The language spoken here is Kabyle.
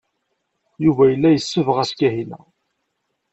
Yuba yella yessebɣas Kahina.